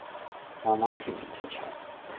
慢慢纏綿出場